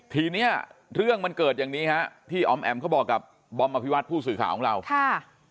ทีนี้เรื่องมันเกิดอย่างนี้ฮะที่ออมแอ๋มเขาบอกกับบอมอภิวัตผู้สื่อข่าวของเราค่ะ